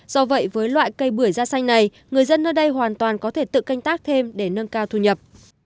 do vậy với loại cây bưởi da xanh này người dân nơi đây hoàn toàn có thể tự canh tác thêm để nâng cao thu nhập